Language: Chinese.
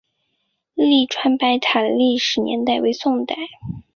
栗川白塔的历史年代为宋代。